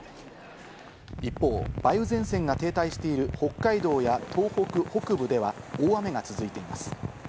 一方、梅雨前線が停滞している北海道や東北北部では大雨が続いています。